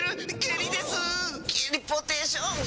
ゲリポーテーション。